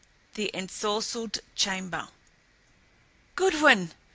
THE ENSORCELLED CHAMBER "Goodwin!"